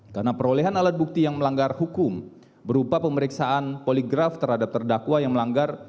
karena perolehan alat bukti yang melanggar hukum berupa pemeriksaan poligraf terhadap terdakwa yang melanggar